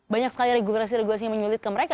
banyak sekali regulasi regulasi yang menyulit ke mereka